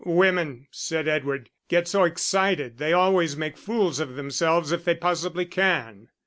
"Women," said Edward, "get so excited; they always make fools of themselves if they possibly can."